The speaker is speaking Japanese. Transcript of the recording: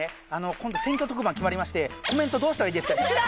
「今度選挙特番決まりまして」「コメントどうしたらいいですか？」